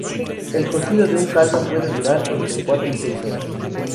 El cocido de un caldo puede durar entre cuatro y seis horas.